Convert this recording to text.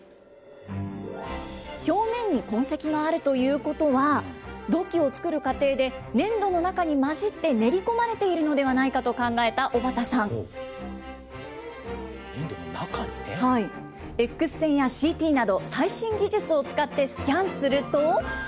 表面に痕跡があるということは、土器を作る過程で粘土の中に混じって練り込まれているのではない粘土の中にね。Ｘ線やＣＴなど、最新技術を使ってスキャンすると。